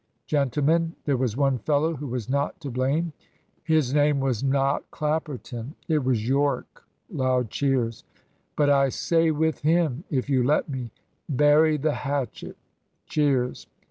Gentlemen, there was one fellow who was not to blame. His name was not Clapperton. It was Yorke." (Loud cheers.) "But I say with him, if you let me, `Bury the hatchet.'" (Cheers.)